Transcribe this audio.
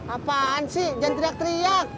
apaan sih jangan teriak teriak